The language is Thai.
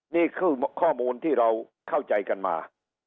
นี่คือข้อมูลที่เราเข้าใจกันมา